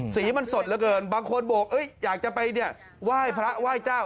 สีมันสดเหลือเกินบางคนบวกอยากจะไปว่าให้พระว่าให้เจ้า